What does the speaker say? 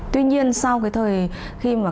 tuy nhiên sau cái thời khi mà